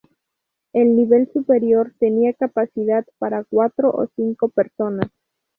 El nivel superior tenía capacidad para cuatro o cinco personas.